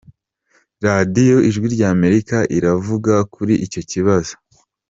Radio Ijwi ry’amerika iravuga kuri icyo kibazo